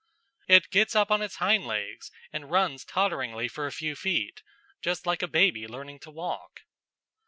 It gets up on its hind legs and runs totteringly for a few feet, just like a baby learning to walk.